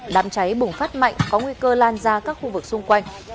đám cháy bùng phát mạnh có nguy cơ lan ra các khu vực xung quanh